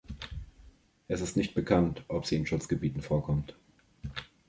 Es ist nicht bekannt, ob sie in Schutzgebieten vorkommt.